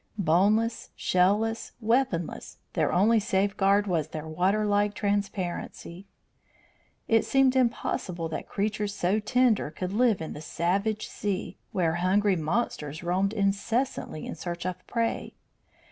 Boneless, shell less, weaponless, their only safeguard was their water like transparency. It seemed impossible that creatures so tender could live in the savage sea, where hungry monsters roamed incessantly in search of prey.